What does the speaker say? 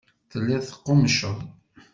Telliḍ teqqummceḍ.